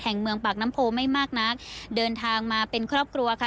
เมืองปากน้ำโพไม่มากนักเดินทางมาเป็นครอบครัวค่ะ